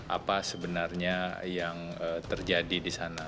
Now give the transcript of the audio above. apa sebenarnya yang terjadi di sana